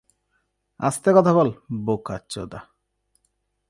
আস্তে কথা বল, বোকাচোদা।